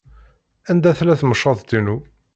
Anda tella temceḍt-inu?